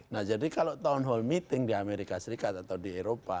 nah jadi kalau town hall meeting di amerika serikat atau di eropa